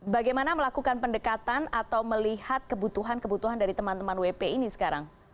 bagaimana melakukan pendekatan atau melihat kebutuhan kebutuhan dari teman teman wp ini sekarang